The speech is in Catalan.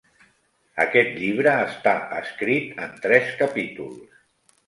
Aquest llibre està escrit en tres capítols.